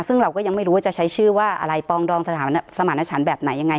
ซึ่งเราก็ยังไม่รู้ว่าจะใช้ชื่อว่าอะไรปองดองสถานสมารณชันแบบไหนยังไง